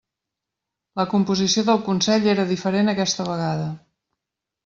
La composició del consell era diferent aquesta vegada.